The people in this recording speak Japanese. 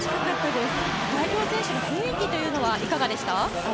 代表選手の雰囲気はいかがでしたか？